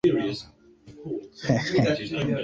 Ojja kwesanga ng'osumagira oba nga weebaase.